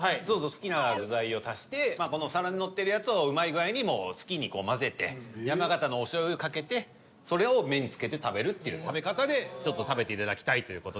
好きな具材を足して皿に載ってるやつをうまい具合にもう好きに混ぜて山形のお醤油かけてそれを麺につけて食べるっていう食べ方でちょっと食べていただきたいという事です。